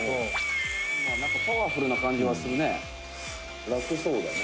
「なんかパワフルな感じはするね」